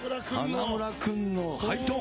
花村君のハイトーン。